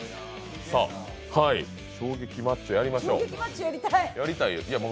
超激マッチョ、やりましょう。